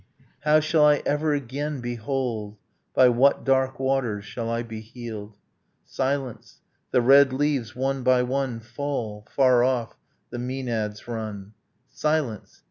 .. How shall I ever again be whole, By what dark waters shall I be healed?' Silence. ... the red leaves, one by one, Fall. Far off, the maenads run. Silence.